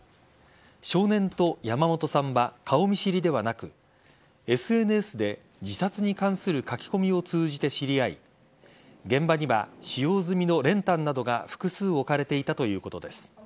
少年と山本さんは顔見知りではなくＳＮＳで自殺に関する書き込みを通じて知り合い現場には使用済みの練炭などが複数置かれていたということです。